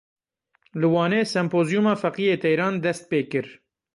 Li Wanê sempozyûma Feqiyê Teyran dest pê kir.